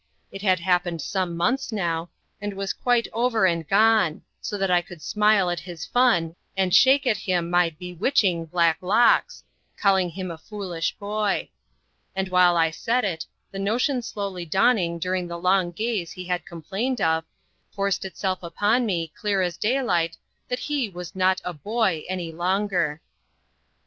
It had happened some months now, and was quite over and gone, so that I could smile at his fun, and shake at him my "bewitching" black locks, calling him a foolish boy. And while I said it, the notion slowly dawning during the long gaze he had complained of, forced itself upon me, clear as daylight, that he was not a "boy" any longer.